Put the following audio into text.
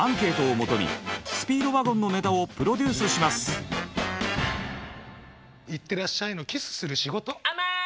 続いてはいってらっしゃいのキスする仕事。